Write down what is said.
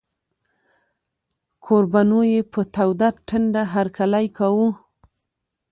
کوربنو یې په توده ټنډه هرکلی کاوه.